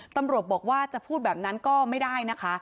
ตำรวจบอกว่าจะพูดแบบนั้นก็ไม่ได้นะคะ